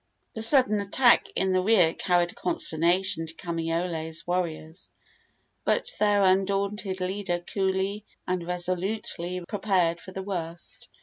The sudden attack in the rear carried consternation to Kamaiole's warriors; but their undaunted leader coolly and resolutely prepared for the worst.